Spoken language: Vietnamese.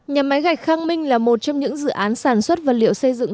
nhà máy gạch khang minh là một trong những dự án sản xuất vật liệu xây dựng